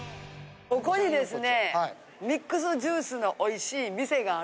ここにですね。